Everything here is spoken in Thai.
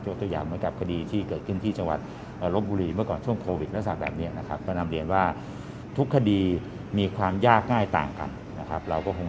ยกตัวอย่างเหมือนกับคดีที่เกิดขึ้นที่จังหวัดรบบุรีเมื่อก่อนช่วงโปรวิคและสักแบบเนี้ยนะครับ